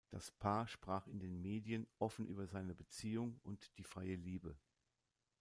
Das Paar sprach in den Medien offen über seine Beziehung und die freie Liebe.